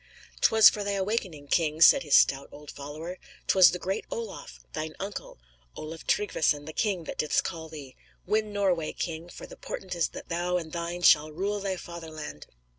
"'Twas for thy awakening, king," said his stout old follower. "'Twas the great Olaf, thine uncle, Olaf Tryggvesson the king, that didst call thee. Win Norway, king, for the portent is that thou and thine shall rule thy fatherland."